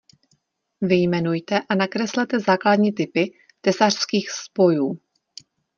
Vyjmenujte a nakreslete základní typy tesařských spojů.